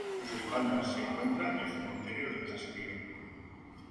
A sus espaldas, se encuentra el cementerio del caserío.